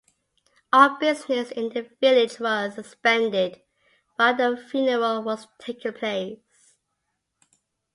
All business in the village was suspended while the funeral was taking place.